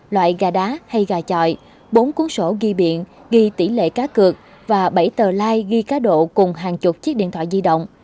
loại gà đá hay gà tròi bốn cuốn sổ ghi biện ghi tỷ lệ cá cược và bảy tờ lai ghi cá độ cùng hàng chục chiếc điện thoại di động